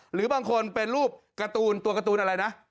หรือบางคนเป็นรูปการ์ตูนตัวการ์ตูนอะไรนะ